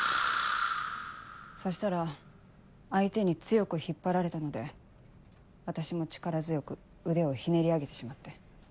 そしたら相手に強く引っ張られたので私も力強く腕をひねり上げてしまって。